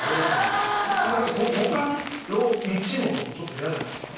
語感ロー「ンチ」のとこちょっと嫌じゃないですか。